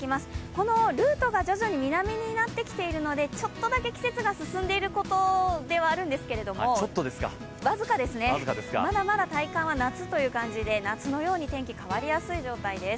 このルートが徐々に南になってきているので、ちょっとだけ季節が進んでいることではあるんですが、僅かですね、まだまだ体感は夏という感じで、夏のように天気が変わりやすい状態です。